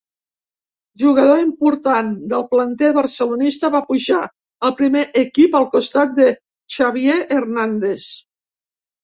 Jugador important del planter barcelonista, va pujar al primer equip al costat de Xavier Hernández.